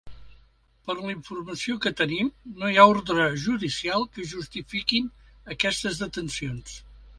Per la informació que tenim, no hi ha ordre judicial que justifiquin aquestes detencions.